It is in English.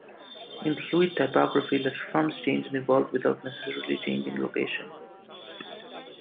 In fluid typography, letterforms change and evolve without necessarily changing location.